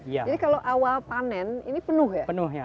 jadi kalau awal panen ini penuh ya